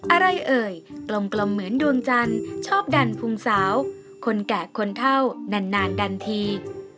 อะไรเอ่ยกลมเหมือนดวงจันทร์ชอบดันพุงสาวคนแก่คนเท่านานดันที